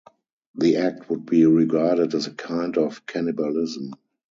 The act would be regarded as a kind of cannibalism.